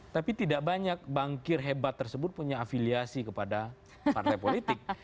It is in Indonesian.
tapi tidak banyak bankir hebat tersebut punya afiliasi kepada partai politik